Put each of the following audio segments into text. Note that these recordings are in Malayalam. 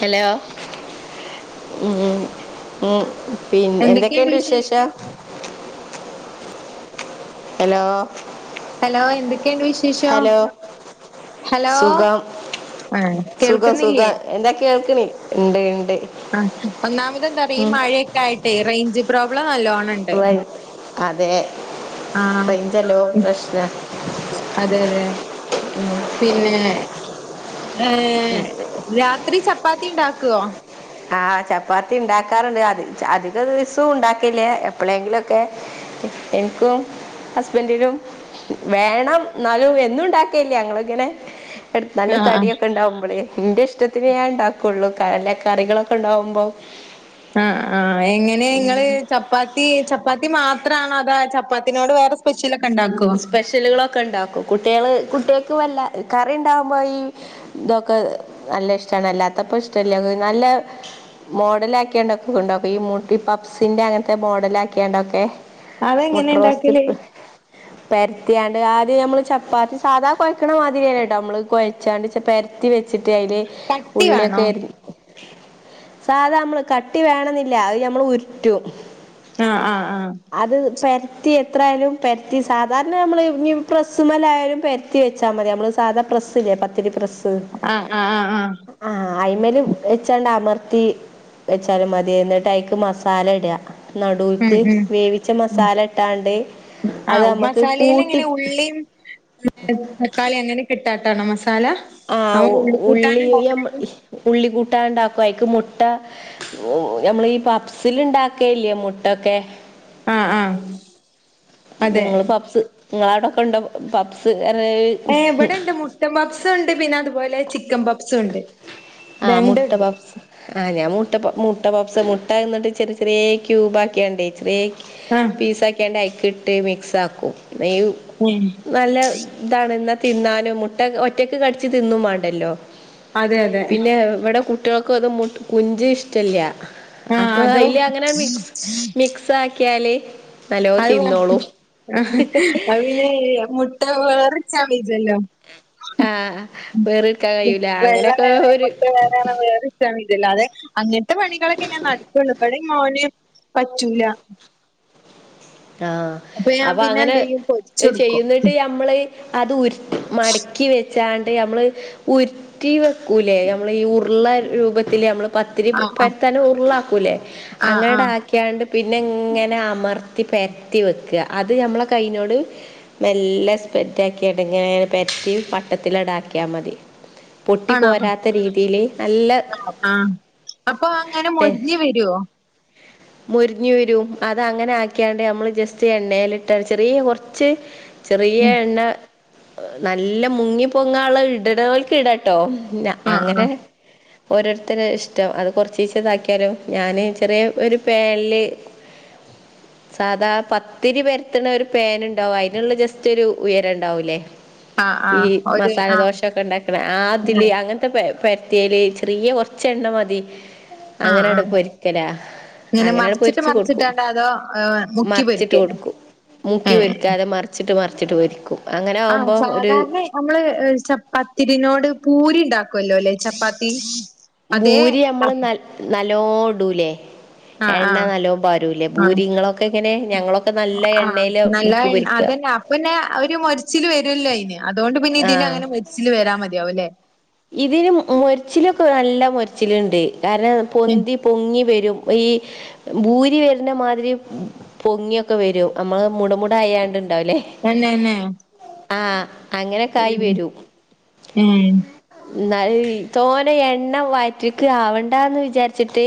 ഹലോ മ് മ് പി എന്തൊക്കെണ്ട് വിശേഷം? ഹലോ ഹലോ എന്തൊക്കെണ്ട് വിശേഷം? ഹലോ ഹലോ സുഖം ആ സുഖം കേൾക്കുന്നില്ലേ സുഖം എന്തൊക്കെ കേൾക്ക് ണ്ട് ണ്ട് ആ ഒന്നാമതന്താറി ഈ മഴയൊക്കെയിട്ടേ റേഞ്ച് പ്രോബ്ലം നല്ലോണംണ്ട്. അതെ. ആ റേഞ്ചല്ലോ ഉം, പ്രശ്നം അതെ അതെ പിന്നെ ഏ രാത്രി ചപ്പാത്തി ണ്ടാക്കൊ? ആ ചപ്പാത്തി ഉണ്ടാക്കാറുണ്ട് അ അധിക ദിവസവും ഉണ്ടാക്കലില്ല എപ്പോളെങ്കിലുംക്കെ എൻക്കും ഹസ്ബൻഡിനും വേണം എന്നാലും എന്നുണ്ടാക്കലില്ല ഞങ്ങൾ ഇങ്ങനെ നല്ല ആ തടിയൊക്കെ ഉണ്ടാവുമ്പോളേ ന്റെ ഇഷ്ടത്തിന് ഞാൻ ഉണ്ടാക്കുള്ളൂ കലൊ കറികളൊക്കെ ഉണ്ടാവുമ്പോ ആഹ് ആഹ് എങ്ങനെ ഇങ്ങള് ചപ്പാത്തി ചപ്പാത്തി മാത്രണോ അതോ ചപ്പാത്തിനോട് വേറെ സ്പെഷ്യലോക്കെണ്ടോ സ്പെഷ്യലുകളൊക്കെ ഉണ്ടാക്കും കുട്ടികള് കുട്ടികൾക്ക് വല്ല കറി ഇണ്ടാവുമ്പോ ഈ ഇതൊക്കെ നല്ല ഇഷ്ടണ് അല്ലാത്തപ്പ ഇഷ്ടല്ല നല്ല മോഡൽ ആക്കിയണ്ടൊക്കെ ഉണ്ടാക്കും ഈ പബ്സിന്റെ അങ്ങനത്തെ മോഡൽ ആക്കിയണ്ടൊക്കെ മുട്ട അതെങ്ങനെ റോസ്റ്റ് ഉണ്ടാക്കല് പരത്തിയാണ്ട് ആദ്യം നമ്മൾ ചപ്പാത്തി സാധാ കുഴയ്ക്കണ മാതിരി തന്നെ ട്ടോ നമ്മള് കുഴച്ചാണ്ട് പര ത്തി വെച്ചിട്ട് അതില് കട്ടി വേണോ ഉള്ളിയൊക്കെ അരി സാധാ നമ്മള് കട്ടി വേണെന്നില്ല അത് ഞമ്മൾ ഉരുട്ടും ആഹ് ആഹ് ആഹ് അത് പെരത്തി എത്രായാലും പെര ത്തി സാധാരണ നമ്മള് ഈ പ്രസ്സിമേലയാലും പെരത്തി വെച്ചാ മതി നമ്മള് സാധാ പ്രസ്സില്ലേ പത്തിരി പ്രസ്സ് ആഹ് ആഹ് ആഹ് ആഹ് ആഹ് അയിൻ മേൽ വെച്ചാണ്ട അമർത്തി വെച്ചാലും മതി എന്നിട്ട് അയിക്ക് മസാല ഇട ഉം നടുൾക്ക് ഉം വേവിച്ച മസാല ഇട്ടാണ്ട് അത് ആഹ് നമുക്ക് മസാലേൽ കൂട്ടി എങ്ങനെയ ഉള്ളീം തക്കാളി അങ്ങനെക്കെ ഇട്ടാട്ടാണോ മസാല ആഹ് നമ്മൾ ഉള്ളിക്കൂട്ടാൻ ഉള്ളീം ഉണ്ടാക്കുന്നത് ഉള്ളി കൂട്ടാൻ ഉണ്ടാക്കും അയിക്ക് മുട്ട നമ്മൾ ഈ പപ്സിൽ ഉണ്ടാക്കല്ലിയേ മുട്ടൊക്കെ ആഹ് ആഹ് നിങ്ങൾ പപ്സ് നിങ്ങള അവിടൊക്കെ ഉണ്ടോ പപ്സ് ഏഹ് ഏഹ് ഇവിടെ ഇണ്ട് മുട്ട പപ്സ് ഉണ്ട് പിന്നെ അതുപോലെ ചിക്കൻ പപ്സും ഉണ്ട് ആഹ് മുട്ട രണ്ടുണ്ട് പപ്സ് ആഹ് ഞാൻ മുട്ട മുട്ട പപ്സ് മുട്ടെന്നിട്ട് ചെറിയ ചെറിയ ക്യൂബ് ആക്കിയാണ്ടേ ചെറിയ ആ പീസക്കിണ്ട് അയിക്ക്‌ ഇട്ട് മിക്സ് ആക്കും ഉം നല്ല ഇതാണ് എന്നാ തിന്നാലും മുട്ട ഒറ്റക്ക് കടിച്ച് തിന്നും വേണ്ടല്ലോ അതെ അതെ പിന്നെ ഇവിടെ കുട്ടികൾക്കും അത് മുട്ട കുഞ്ച ഇഷ്ടല്ല ആ അപ്പൊ അതോ അയില് അങ്ങനെ മിക്സ് മിക്സ് ആക്കിയാല് നല്ലോ അത് തിന്നോളൂ വേ- [unintelligible] [unintelligible] [unintelligible] ആഹ് വേറെടുക്കാൻ കഴിയൂല വെള്ള അങ്ങനെയൊക്കെ വേറെ ഒരു മുട്ട വേറെണ വേറെ അല്ലാതെ അങ്ങനത്തെ പണികളൊക്കെ ഞാൻ നടക്കുള്ളു ഇവിടെ മോന് പറ്റൂല ആഹ് ഞാൻ അപ്പൊ പിന്നെ അങ്ങനെ എന്ത് ചെയ്യും പൊരിച്ചെടുക്കും ചെയ്യുന്നിട്ട് നമ്മൾ അത് ഉരു മടക്കി വെ ച്ചണ്ട് നമ്മള് ഉരുട്ടി വെക്കൂലേ നമ്മള് ഈ ഉരുള രൂപത്തില് നമ്മള് പ ത്തിരി ആ ആ പരത്താനും ഉരുളാക്കൂലേ ആ ആ അങ്ങനട് ആക്കിയാണ്ട് പിന്നെ ഇങ്ങനെ അമർ ത്തി പരത്തി വെക്കുക അത് നമ്മളെ കൈനോട് മെല്ല സ്പെറ്റ് ആക്കി എടുങ്ങനെ പരത്തി വട്ടത്തിലട് അക്കിയാൽ മതി പൊട്ടി ആണോ പോരാത്ത രീതിൽ നല്ല ആ [unintelligible] ക്യോ മൊരിഞ്ഞ് വരും അത് അങ്ങനെ ആക്കിയാണ്ട് നമ്മൾ ജസ്റ്റ് എണ്ണയിലിട്ട ചെറിയ കുറച്ച് ചെറിയ എണ്ണ നല്ല മുങ്ങി പൊങ്ങള്ള ഇടടൊർക്ക് ഇടാട്ടോ ന്ന ആ ആ അങ്ങനെ ഓരോരുത്തരെ ഇഷ്ടം അത് കൊറച്ചീച്ച ഇതാക്കിയാലും ഞാന് ചെറിയ ഒരു പാനില് സാധാ പത്തിരി പരത്തണ ഒരു പാൻ ഉണ്ടാവും അയിനുള്ള ജസ്റ്റ് ഒരു ഉയരം ഉണ്ടാവൂല്ലേ ആ ആ ഈ ഒരു മസാല ആ ദോശ ഒക്കെ ഉണ്ടാക്കണ ആ ആതില് അങ്ങനെ പരത്തിയല് ചെറിയ കൊറച്ച് എണ്ണ മതി ആ ആ. അങ്ങനങ്ങട്ട് പൊരിക്കലാ ഇങ്ങനെ അങ്ങനെ മറിച്ചിട്ട് പൊരിച്ച് കൊടുക്കും മറിച്ചിട്ടാണ്ട് അതോ ആ, മുക്കി മറിച്ചിട്ട് പൊരിക്കേനു കൊടുക്കും മുക്കി ഏ വേക്കാതെ മറിച്ച് വച്ചിട്ട് മറിച്ചിട്ട് പരിക്കും ആ അങ്ങനാവുമ്പോം ഒരു സാധാരണ നമ്മള് ചപ്പാത്തിരിനോട് പൂരി ഉണ്ടാക്കുവുല്ലോല്ലെ ചപ്പാത്തി അതേ ബൂരി ആ നമ്മള് നൽ നല്ലോണിടൂല്ലേ ആ ആ എണ്ണ നല്ലോം പരുല്ലേ ആ ബൂരിങ്ങളൊക്കെ ഇങ്ങനെ ഞങ്ങളൊക്കെ നല്ല എണ്ണൽ മുക്കി പൊരിക്ക പിന്നെ അവര് മൊരിച്ചില് വരുല്ലോന് അതുകൊണ്ട് പിന്നെ ആ ഇതിന് അങ്ങനെ മരിച്ചില് വരാ മതിയാവുല്ലേ ഇതിന് മൊരച്ചിലൊക്കെ നല്ല മൊരച്ചിലുണ്ടെ കാരണം പൊന്തി പൊങ്ങി വരും ഈ ബൂരി വരുന്ന മാതിരി പൊങ്ങിയൊക്കെ വരും നമ്മള് മുടമുടയാണ്ട്ണ്ടാവില്ലേ തന്നെന്നായോ ആഹ് അങ്ങനൊക്ക ആയി വരും ഉം എന്നല് തോന്ന എണ്ണ വാറ്റക്ക് ആവണ്ടന്ന് വിചാരിച്ചിട്ട്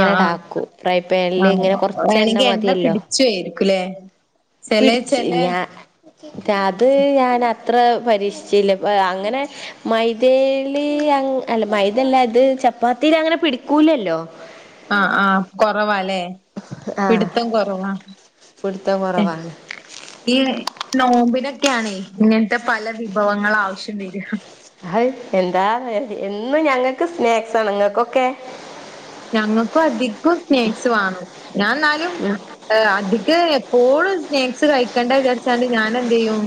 ആഹ് ആഹ് ഫ്രയ് പാനിൽ ഇങ്ങനെ കൊറച്ചെണ്ണ എണ്ണ മതിയല്ലോ ചോയിരിക്കൂല്ലേ പിടിച്ച് ഞാ അത് ഞാൻ അത്ര പരീക്ഷിച്ചില്ലപ്പ അങ്ങനെ മൈദേയില് അല്ല മൈദല്ല ഇത് ചപ്പാത്തിൽ അങ്ങനെ പിടിക്കൂലല്ലോ ആഹ് ആഹ് കൊറവാല്ലേ ആഹ് പിടുത്തം കുറവാ പിടുത്തം [unintelligible] കുറവാണ് ഈ നോമ്പിനൊക്കെയാണേ ഇങ്ങനത്തെ പല വിഭവങ്ങൾ ആവശ്യം വരിക ആഹ് എന്താ എന്നും ഞങ്ങൾക്ക് സ്നാക്സണ് നിങ്ങൾക്കൊക്കെ ഞങ്ങക്കും അധികം സ്നേക്സ് വേണം ഞാൻ എന്നാലും ഉം അധിക്ക എപ്പോഴും സ്നാക്സ് കഴിക്കേണ്ട വിചാരിച്ചാണ്ട് ഞാൻ എന്ത്യ്യും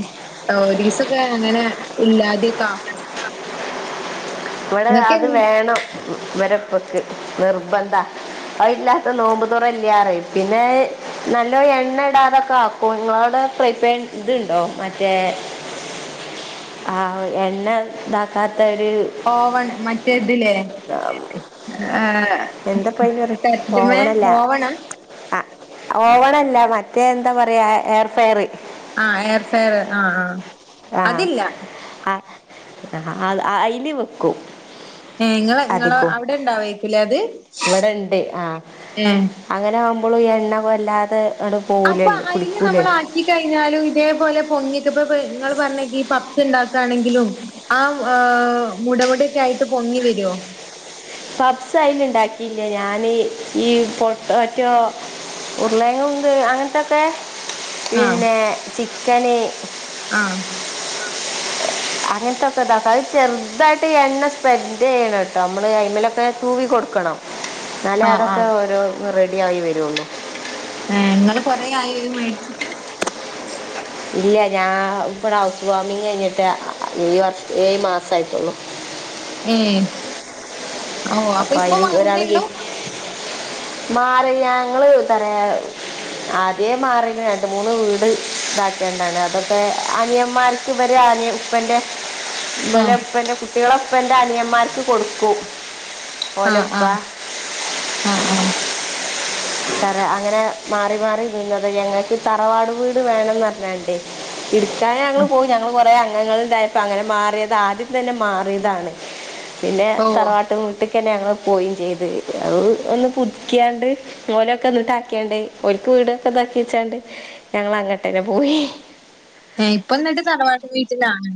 ആ ഓരിസൊക്കെ അങ്ങനെ ഇല്ലാതെ കാക്കും. ഇവിടെ അത് വേണം, ഇവരിപ്പക്ക് നിർബന്ധ. അതില്ല നോമ്പ്തുറല്ലാറയും. പിന്നെ നല്ല എണ്ണ ഇടാതൊക്കെ ആക്കും. നിങ്ങളോട ഫ്രീ പൈൻ ഇതുണ്ടോ? മറ്റേ, ആഹ് എണ്ണ ഇതാക്കാതോര് ഓവൺ മറ്റേ തിലേ. ആഹ് [unintelligible] ഓവണല്ല. ആഹ് ഓവണല്ല. മറ്റേ എന്താ പറയാ ഏർ ഫെയറ്. ആഹ് ഏർ ഫെയറ്ആഹ് ആഹ്. ആഹ് അതില്ല ആഹ് അഹ അയില് വെക്കും. ഏഹ് ഇങ്ങളെ ഇങ്ങളെ അതീക്കും. അവിടെ ഇണ്ടാവേക്കുലേ അത് ഇവിടെണ്ട് ആഹ് ഏഹ് അങ്ങനാവു മ്പോള് ഈ എണ്ണ വല്ലാതെ ആങ്ങട് പോവുല്ലോ കുടിക്കൂലല്ലോ. ത്തി കഴിഞ്ഞാലും ഇതേപോലെ പൊങ്ങിക്ക്. ഇപ്പ് നിങ്ങൾ പറഞ്ഞെങ്ക ഈ പപ്പ്സ് ഉണ്ടാകണെങ്കിലും ആഹ് മുടമുടക്കെ ആയിട്ട് പൊങ്ങി വരുവോ. പപ്പ്സ് അയില് ഇണ്ടാക്കിയില്ല. ഞാന് ഈ പൊട്ടറ്റോ ഉരുളേങ്ങ ഉണ്ട് അങ്ങനത്തൊക്കെ ആഹ് പിന്നെ ചിക്കന്, ആഹ് അങ്ങനത്തൊക്കെ ഇതാക്കും. അത് ചെറുതായിട്ട് എണ്ണ സ്പ്രെഡ്യ്യണം കേട്ടോ. നമ്മള് അയ്‌മലൊക്കെ തുവി കൊടുക്കണം. എന്നാല്ലേ ആഹ് അതൊക്കെ ആഹ് ഓരോ റെഡി ആയി വരോള്ളു. ഏ ഇങ്ങള് കൊറെ ആയി ഇത് മേടിച്ചിട്ട്? ഇല്ല ഞാ ഇവിടെ ഹൗസ് വാർമിങ് കഴിഞ്ഞിട്ട് ഈ വർഷം ഈ മാസം ആയിട്ടോള്ളു. ഏ ഓ അപ്പൊ അപ്പോൾ ഇപ്പൊ അതിന് ഒരാൾ മാറന്നേള്ളൂ. ഗിഫ്റ്റ് മാറി ഞങ്ങള് പറയാ, ആദ്യേ മാറി. രണ്ട് മൂന്ന് വീട് ഇതാക്കേണ്ടെണ്. അതൊക്കെ അനിയന്മാർ ക്ക് ഇവരെ ആണ് ഉപ്പന്റെ ഇലെ ആഹ് ഉപ്പന്റെ കുട്ടികള ഉപ്പന്റെ അനിയമാർക്ക് കൊടുക്കും. ആഹ് ആ. ഓലപ്പ ആഹ് ആ. അങ്ങനെ മാറി മാറി നിന്നത്. ഞങ്ങൾക്ക് തറവാട് വീട് വേണംന്ന് പറഞ്ഞണ്ടേ. ഇടുക്കാതെ ഞങ്ങള് ആഹ് പോയി. ഞങ്ങള് കൊറെേ അംഗങ്ങള ഉണ്ടായിരുന്ന. അങ്ങനെ മാറിയത്. ആദ്യം തന്നെ മാറിയതാണ്. പിന്നെ ഓഹ് തറവാട്ട് വി ട്ടക്കന്നെ ഞങ്ങ പോയും ചെയ്ത്. അത് ഒന്ന് പുതിക്കാണ്ട്. ഓലക്ക എന്ന് ആയ്ക്കേണ്ട്. ഇവര്ക് വീട് [unintelligible] ഞങ്ങൾ അങ്ങട്ട് തന്നെ പോയി. ഏ ഇപ്പ എന്നിട്ട് തറവാട്ട് വീട്ടിലാണ്.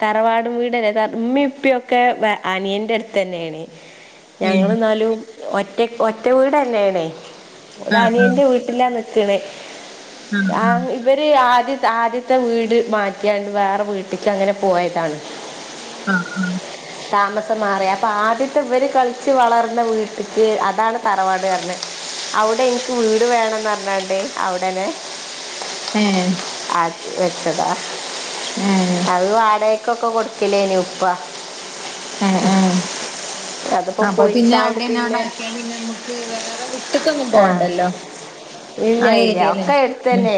തറവാടും വീടല്ലെ. ഉമ്മി ഉപ്പിയ ഒക്കെ വ അനിയന്റെ അടുത്ത തന്നെണ്. ഏ ഞങ്ങള എന്നാലും ഒറ്റക്ക് ഒറ്റ വീടന്നണേ. ഒരു ആഹ് അനിയൻ്റെ വീട്ട ലാണ് നിക്കണ്. ആഹ് ആ വി ഇവര് ആദ്യ ആദ്യത്തെ വീട് മാറ്റിയണ്ട്, വേറെ വീട്ടേക്ക് അങ്ങനെ പോയതാണ്. ആഹ ആഹ. താമസം മാറിയ. അപ്പൊ ആദ്യത്തെ ഇവര് കളിച്ചു വളർന്ന വീട്ടക്ക് അതാണ് തറവാട് [unintelligible] അവിടെ എനിക്ക് വീട് വേണംന്ന് പറഞ്ഞണ്ടേ അവിടന്നെ. ഏ [unintelligible] വെച്ചതാ. ഏഹ്. അത് വാടകക്കൊക്കെ കൊടുക്കണെണ് ഉപ്പ. ഏ ഏ. അതിപ്പോ ആ അപ്പൊ പിന്നെ പൊളിച്ചാണ്ട് അവിടെന്നാട് ആക്കിയാ പിന്നെ നമ്മുക്ക് വേറെ വിട്ട്ക്കൊന്നും ആഹ. പോവണ്ടല്ലോ ഇല്ല ആ ഇല്ല ഏരിയയില് ഒക്കെ എടുത്ത് ഉം തന്നെ.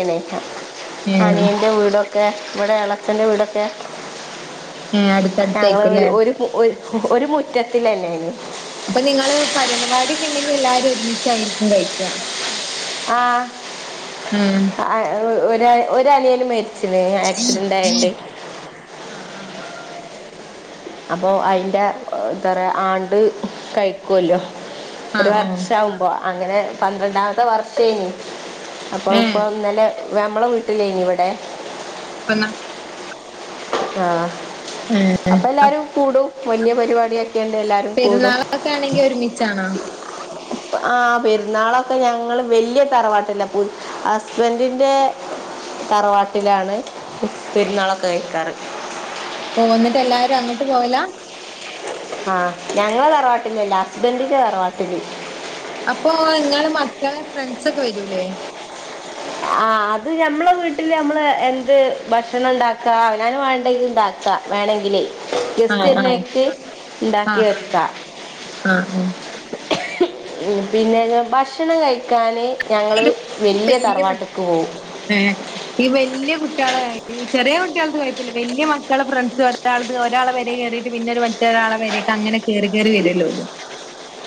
ഏ [unintelligible] അനിയന്റെ വീടൊക്കെ, ഇവിടെ എളച്ചന്റെ വീടൊക്കെ, ഏ ഞങ്ങള് ഒരു അടുത്തടുത്തായിരിക്കുംല്ലേ ഒരു ഒരു മുറ്റത്തിലല്ലേല്. അപ്പൊ നിങ്ങള് പരവാടൊക്കെ ഉണ്ടെങ്കിൽ എല്ലാരും ഒരുമിച്ചായിരിക്കും കഴിക്കാ. ആഹ്. ഉം ഏഹ് ഹ് ഒര് ഒരു അനിയന് മരി ച്ചിന് ആക്സിഡന്റ് ആയട്ട്. ആഹ് ആഹ് അപ്പോൾ അയിന്റെ എന്താ പറയ ആണ്ട് കഴിക്കൊല്ലോ ഒരു ആഹ് ആഹ് വർഷാമ്പോ അപ്പോ അങ്ങനെ പന്ത്രണ്ടാമത്തെ വർഷേനി അപ്പൊ അത്‌ ഏ ഇപ്പൊ ഇന്നലെ നമ്മളെ വീട്ടിലേനി ഇവിടെ [unintelligible] ആഹ ഏ അപ്പൊ എല്ലാരും കൂടും വല്ല്യ പരിപാടി ആക്കിയാണ്ട് എല്ലാരും കൂടും പെരുന്നാളൊക്കെ ആണെങ്കിൽ ഒരുമിച്ചാണാ ആഹ പെരുന്നാളൊക്കെ ഞങ്ങള് വലിയ തറവാട്ടില്ല ഹസ്ബന്റിന്റെ തറവാട്ടിലാണ് പെരുന്നാളൊക്കെ കഴിക്കാറ് ഓഹ് ഇന്നിട്ട് എല്ലാരും അങ്ങട്ട് പോവലാ ആഹ് ഞങ്ങളെ തറവാട്ടില്ലല്ല ഹസ്ബന്റിന്റെ തറവാട്ടില് അപ്പൊ ഇങ്ങളെ മക്കളെ ഫ്രണ്ട്സ് ഒക്കെ വരൂലേ ആഹ് അത് ഞമ്മള വീട്ടില് നമ്മള് എന്ത് ഭക്ഷണം ഉണ്ടാക്ക അവനാൻ വേണ്ടെത് ഉണ്ടാക്ക വേണെങ്കിൽ ഗസ്റ്റ് ആഹ് ആഹ് വര്ന്നേരത്ത് ഇണ്ടാക്കി ആഹ് വെക്ക ആഹ് ആഹ് ആഹ് പിന്നെ ഭക്ഷണം കഴിക്കാൻ ഞങ്ങൾ ഈ വല്ല്യ വല്യ തറവാട്ട് [unintelligible] ഏഹ് ഈ വല്ല്യ കുട്ട്യാളെ ചെറിയ കുട്ട്യാൾത് കുഴപ്പില്ല വല്യ മക്കള് ഫ്രണ്ട്സ്ന്ന് ഒരാൾത് ഒരാളെ പെരീ കേറീട്ട് പിന്നെ ഒര് മറ്റൊരാളെ പെരീക്ക് അങ്ങനെ കേറി കേറി വരുല്ലോ ഓല്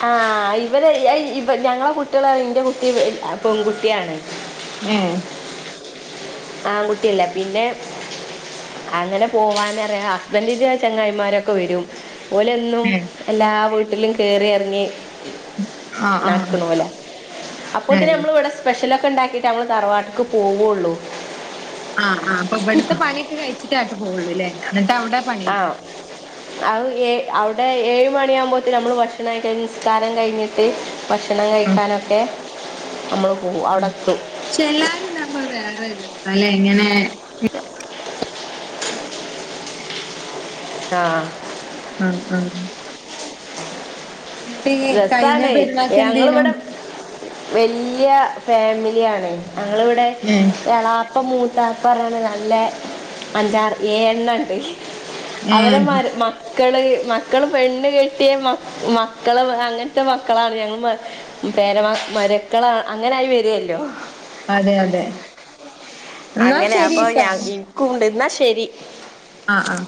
ആ ഇവര് ഇ ഞങ്ങളെ കുട്ടികൾ ഇന്റെ കുട്ടി പെൺകുട്ടിയാണ് ഏഹ് ആൺകുട്ടിയല്ല പിന്നെ അങ്ങനെ പോവാനറിയ ഹസ്ബൻന്റിന്റെ ചെങ്ങായിമാരൊക്കെ വരും ഓലെന്നും ഏഹ് എല്ലാ വീട്ടിലും കേറി എറങ്ങി ആഹ് ആഹ് നട്ക്ക്ണോലാ അപ്പൊത്തിന് ഏഹ് നമ്മൾ ഇവിടെ സ്പെഷ്യലൊക്കെ ഉണ്ടാക്കിട്ടെ ഞാങ്ങള് തറവാട്ടിക്ക് പോവൊള്ളൂ ആഹ ആഹ് അപ്പൊ ഇവിടുത്തെ പണിയൊക്കെ കഴിച്ചിട്ടേ അട്ട് പോവൊള്ളൂ ലെ എന്നിട്ട് അവിടെ പണി ആ അത് ഏ അവിടെ ഏഴ് മണിയാകുമ്പോത്തേനും നമ്മള് ഭക്ഷണംക്കെ കഴിഞ്ഞ് നിസ്കാരം കഴിഞ്ഞ് ത്തി ഭക്ഷണം കഴിക്കാനൊക്കെ നമ്മൾ പോവും അവിടെത്തും പക്ഷെ എല്ലാരും ഇണ്ടാവുമ്പൊ അത്‌ വേറെ ഒരു രസാലെ ഇങ്ങനെ [inaudible] ആഹ് ആഹ് ആഹ് എന്നിട്ട് ഈ കഴിഞ്ഞ രസാണ് പെരുന്നാക്ക് എന്തേനു ഞങ്ങളിവിടെ വല്യ ഫാമിലിയാണ് ഞങ്ങളിവിടെ ഉം എളാപ്പ മൂത്താപ്പ പറഞ്ഞാണ്ട് നല്ല അഞ്ചാറ് എഴ് എണ്ണം ഇണ്ട് അവരെ ഏഹ് മരു മക്കള് മക്കള് പെണ്ണ് കെട്ടിയ മക്ക മക്കള് അങ്ങനത്തെ മക്കളാറിയും പേര മരുക്കള അങ്ങനെ ആയി വരുവല്ലോ അതെ അതെ എന്നാ ശരിട്ടോ ക്കും ണ്ട് എന്നാ ശരി ആഹ് ആഹ്